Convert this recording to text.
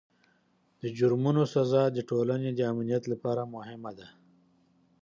د جرمونو سزا د ټولنې د امنیت لپاره مهمه ده.